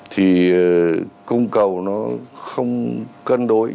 thì cung cầu nó không cân đối